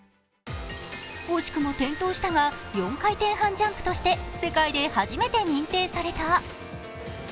惜しくも転倒したが４回転半ジャンプとして世界で初めて認定された。